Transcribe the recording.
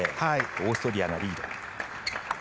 オーストリアがリード。